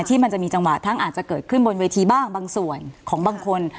ที่มันจะมีจังหวะทั้งอาจจะเกิดขึ้นบนเวทีบ้างบางส่วนของบางคน